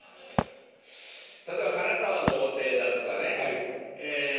例えば花束贈呈だとかねええ